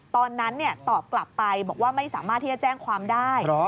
ตอนนั้นตอบกลับไปบอกว่าไม่สามารถที่จะแจ้งความได้